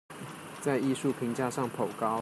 在藝術評價上頗高